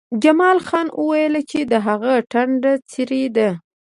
جمال خان وویل چې د هغه ټنډه څیرې ده